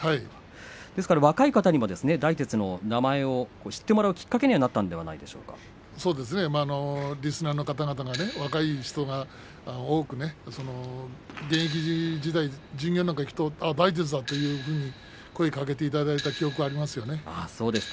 ですから若い方にも大徹の名前を知ってもらうきっかけになったんじゃリスナーの方々が若い方が多く現役時代、巡業なんかに行くと大徹だ、というふうに声をかけていただいた記憶がありますよね。